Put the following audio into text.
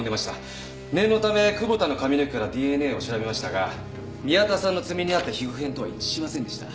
念のため久保田の髪の毛からＤＮＡを調べましたが宮田さんの爪にあった皮膚片とは一致しませんでした。